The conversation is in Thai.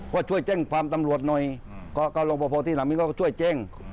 ก็ช่วยแจ้งความตำรวจหน่อยก็รบพสนามบินก็ช่วยแจ้ง